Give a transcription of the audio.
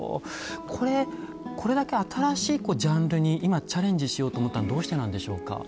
これこれだけ新しいジャンルに今チャレンジしようと思ったのはどうしてなんでしょうか？